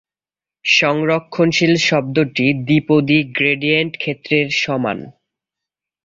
সংরক্ষণশীল শব্দটি দ্বিপদী-গ্রেডিয়েন্ট-ক্ষেত্রের সমান।